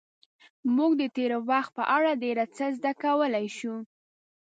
موږ د تېر وخت په اړه ډېر څه زده کولی شو.